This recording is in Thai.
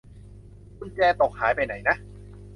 กุญแจตกหายไปไหนนะ